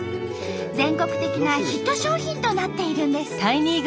全国的なヒット商品となっているんです。